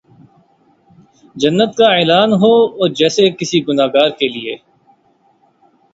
جنت کا اعلان ہو جیسے کسی گناہ گار کیلئے